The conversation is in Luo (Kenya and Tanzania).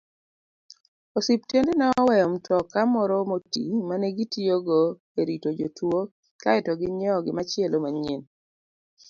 Osiptende ne oweyo mtoka moro moti ma negitiyogo erito jotuwo kaeto ginyiewo gimachielo manyien.